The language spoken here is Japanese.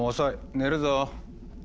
寝るぞ。